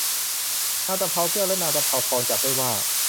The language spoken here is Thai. นางตะเภาแก้วและนางตะเภาทองจับได้ว่า